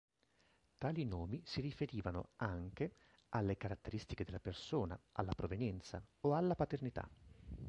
Tali nomi si riferivano, anche, alle caratteristiche della persona, alla provenienza o alla paternità.